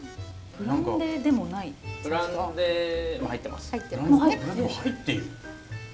ブランデーも入っている？